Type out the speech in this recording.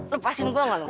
lepasin gue enggak lo